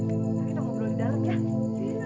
kita ngobrol di dalam ya